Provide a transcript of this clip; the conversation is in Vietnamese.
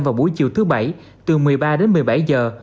vào buổi chiều thứ bảy từ một mươi ba đến một mươi bảy giờ